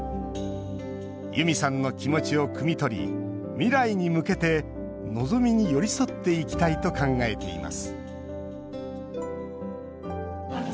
ユミさんの気持ちをくみ取り未来に向けて望みに寄り添っていきたいと考えています